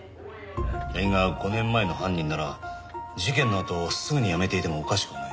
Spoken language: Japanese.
矢木が５年前の犯人なら事件のあとすぐに辞めていてもおかしくない。